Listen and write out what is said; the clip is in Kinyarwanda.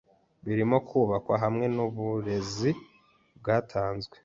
birimo kubakwa hamwe n’uburezi bwatanzwe